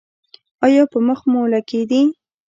ایا په مخ مو لکې دي؟